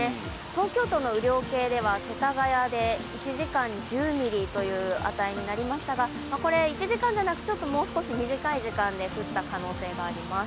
東京都の雨量計では世田谷で１時間に１０ミリという値になりましたが１時間じゃなくもう少し短い時間で降った可能性があります。